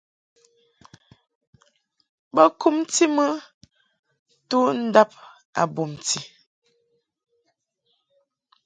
Bo kumti mɨ tundab a bumti.